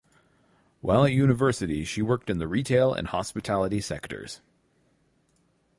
While at university she worked in the retail and hospitality sectors.